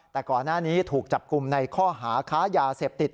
แต่ก่อนหน้านี้ถูกจับกลุ่มในข้อหาค้ายาเสพติด